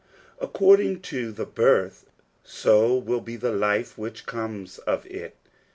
According to the birth, so will be the life which comes of it.